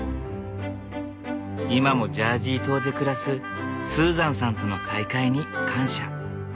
今もジャージー島で暮らすスーザンさんとの再会に感謝。